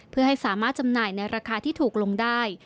เพื่อให้สามารถจำหน่ายในราคาที่ถูกลงได้